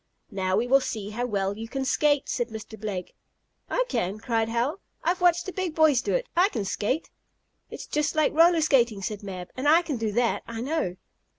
"Now we will see how well you can skate," said Mr. Blake. "I can!" cried Hal. "I've watched the big boys do it. I can skate!" "It's just like roller skating," said Mab, "and I can do that, I know."